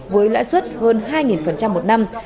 với lãi suất hơn hai một năm